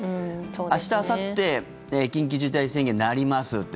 明日あさって緊急事態宣言になりますって